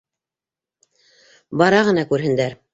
Бара ғына күрһендәр.